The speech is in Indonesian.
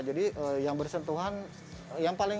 jadi yang bersentuhan yang paling